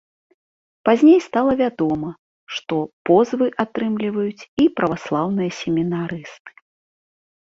Пазней стала вядома, што позвы атрымліваюць і праваслаўныя семінарысты.